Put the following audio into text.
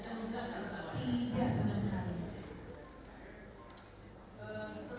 ramai seperti apa